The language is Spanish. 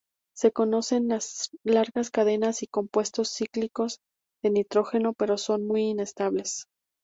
Se conocen largas cadenas y compuestos cíclicos de nitrógeno, pero son muy inestables.